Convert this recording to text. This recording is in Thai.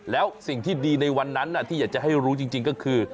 แล้วสิ่งที่ดีในวันนั้นที่อยากจะให้รู้จริงก็คือ